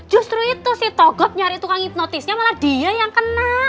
justru itu si togot nyari tukang hipnotisnya malah dia yang kena